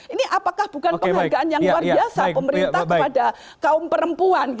ini apakah bukan penghargaan yang luar biasa pemerintah kepada kaum perempuan